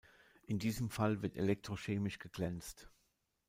In diesem Fall wird elektrochemisch geglänzt.